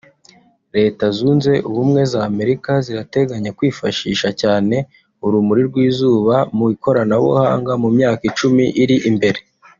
Leta Zunze Ubumwe z’Amerika zirateganya kwifashisha cyane urumuri rw’izuba mu ikoranabuhanga mu myaka icumi iri imbere